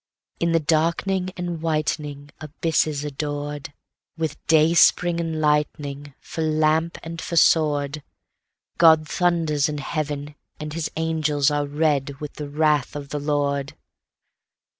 In the darkening and whiteningAbysses ador'd, With dayspring and lightningFor lamp and for sword, God thunders in heaven, and his angels are red with the wrath of the Lord.